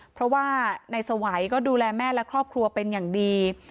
เพราะว่านายสวัยก็ดูแลแม่และครอบครัวเป็นอย่างดี